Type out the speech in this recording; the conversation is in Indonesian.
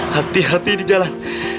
hati hati di jalan